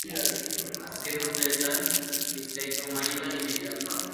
Azken urteetan Bizkaiko mailatan ibili da.